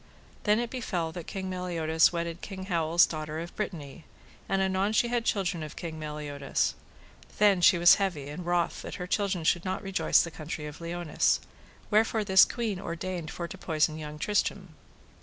Then it befell that King Meliodas wedded King Howell's daughter of Brittany, and anon she had children of King Meliodas: then was she heavy and wroth that her children should not rejoice the country of Liones, wherefore this queen ordained for to poison young Tristram.